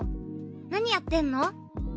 何やってんの？